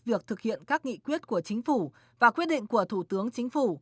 việc thực hiện các nghị quyết của chính phủ và quyết định của thủ tướng chính phủ